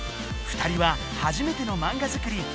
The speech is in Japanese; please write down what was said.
二人は初めてのマンガ作り